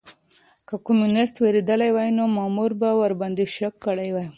که کمونيسټ وېرېدلی وای نو مامور به ورباندې شک کړی وای.